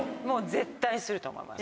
絶対すると思います。